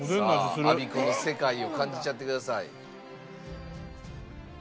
さあアビコの世界を感じちゃってください。